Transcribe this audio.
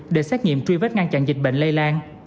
để xét nghiệm truy vết ngăn chặn dịch bệnh lây lan